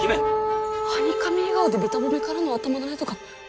ハニカミ笑顔でベタ褒めからの頭なでとか